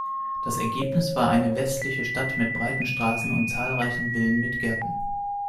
Das Ergebnis war eine westliche Stadt mit breiten Straßen und zahlreichen Villen mit Gärten.